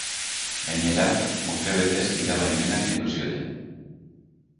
Gainera, urtebetez gidabaimena kendu zioten.